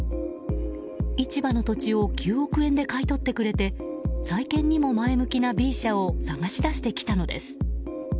市場の土地を９億円で買い取ってくれて再建にも前向きなＢ社を探し出してきたのです。